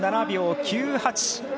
３７秒９８。